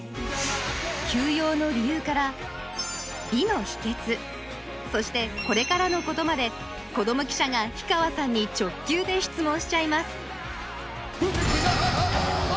休養の理由から美の秘訣そしてこれからのことまで子ども記者が氷川さんに直球で質問しちゃいます